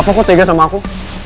apa kok tegas sama aku